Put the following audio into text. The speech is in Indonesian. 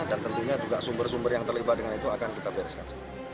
dan tentunya juga sumber sumber yang terlibat dengan itu akan kita bereskan